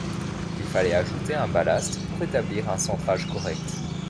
Il fallait ajouter un ballast pour établir un centrage correct.